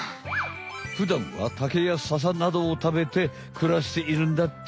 ふだんはタケやササなどを食べてくらしているんだって。